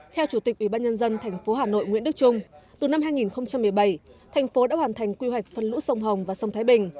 theo chủ tịch ủy ban nhân dân thành phố hà nội nguyễn đức trung từ năm hai nghìn một mươi bảy thành phố đã hoàn thành quy hoạch phân lũ sông hồng và sông thái bình